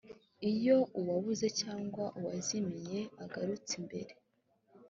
iyo uwabuze cyangwa uwazimiye agarutse mbere